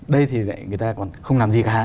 đây thì người ta còn không làm gì cả